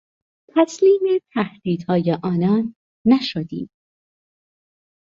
تسلیم تهدیدهای آنان نشدیم.